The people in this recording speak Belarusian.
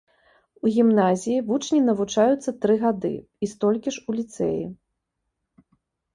У гімназіі вучні навучаюцца тры гады і столькі ж у ліцэі.